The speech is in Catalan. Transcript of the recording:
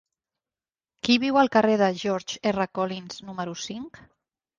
Qui viu al carrer de George R. Collins número cinc?